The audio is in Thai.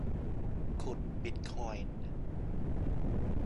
ขุดบิตคอยน์